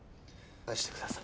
返してください。